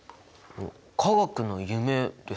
「化学の夢」ですか？